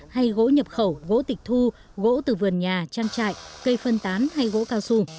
hay gỗ nhập khẩu gỗ tịch thu gỗ từ vườn nhà trang trại cây phân tán hay gỗ cao su